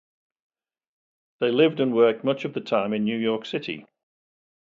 They lived and worked much of the time in New York City.